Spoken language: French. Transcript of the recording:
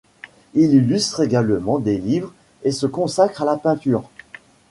Il illustre également des livres et se consacre à la peinture.